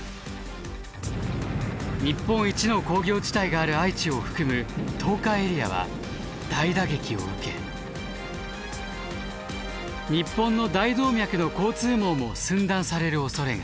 日本一の工業地帯がある愛知を含む東海エリアは大打撃を受け日本の大動脈の交通網も寸断されるおそれが。